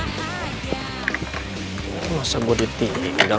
sejega banget gue ditinggal